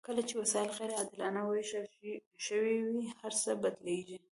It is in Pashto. کله چې وسایل غیر عادلانه ویشل شوي وي هرڅه بدلیږي.